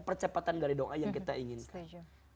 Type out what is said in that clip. percepatan dari doa yang kita inginkan